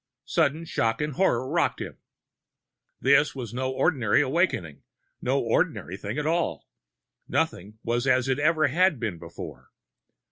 Sudden shock and horror rocked him. This was no ordinary awakening no ordinary thing at all nothing was as it ever had been before!